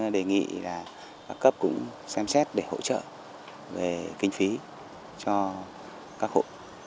đề nghị là cấp cũng xem xét để hỗ trợ về kinh phí cho các hộ